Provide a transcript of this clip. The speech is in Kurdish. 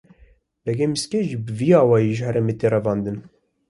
Begê Miksê jî bi vî awayî ji herêmê tê revandin.